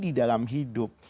di dalam hidup